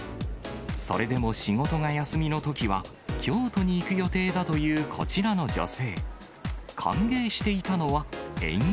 それでも仕事が休みのときは、京都に行く予定だというこちらの女性。